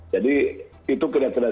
jadi itu tidak terdapat